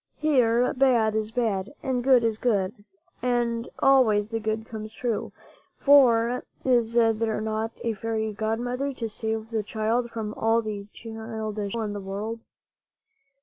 Here bad is bad, and good is good, and always the good comes true. For is there not a fairy godmother to save the child from all the childish evil in the world?